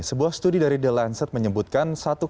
sebuah studi dari the lancert menyebutkan